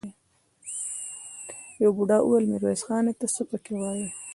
يوه بوډا وويل: ميرويس خانه! ته څه پکې وايې؟